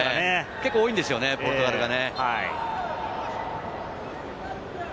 結構多いんですよね、ポルトガルが。